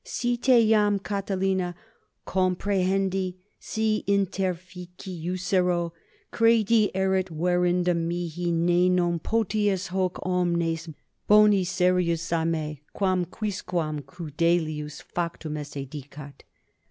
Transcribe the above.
Si te iam, Catilina, comprehendi, si interfici iussero, credo, erit verendum mihi, ne non potius hoc omnes boni serius a me quam quisquam crudelius factum esse dicat.